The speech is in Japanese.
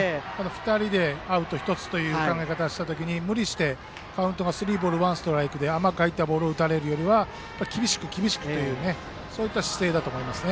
２人でアウト１つという考え方をした時に無理して、カウントがスリーボール、ワンストライクで甘く入ったボールを打たれるより厳しくという姿勢だと思います。